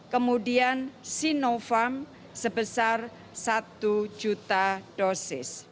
kemudian sinovac sebesar satu juta dosis